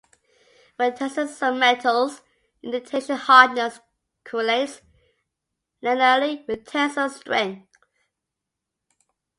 When testing some metals, indentation hardness correlates linearly with tensile strength.